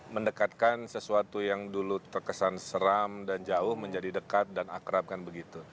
mendekatkan sesuatu yang dulu terkesan seram dan jauh menjadi dekat dan akrab kan begitu